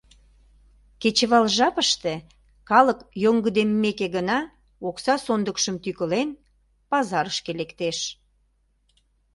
Кечывал жапыште калык йоҥгыдеммеке гына, окса сондыкшым тӱкылен, пазарышке лектеш.